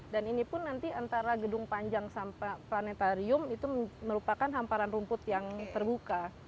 dan ini pun nanti antara gedung panjang sampai planetarium itu merupakan hamparan rumput yang terbuka